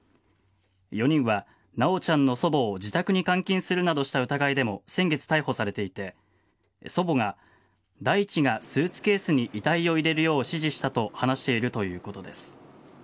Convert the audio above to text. ４人は修ちゃんの祖母を自宅に監禁するなどした疑いでも先月、逮捕されていて祖母が大地がスーツケースに遺体を入れるよう指示したと話しているということです。